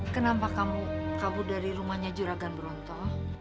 kenapa kamu kabur dari rumahnya juragan bronto